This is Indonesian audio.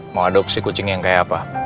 mau adopsi kucing yang kayak apa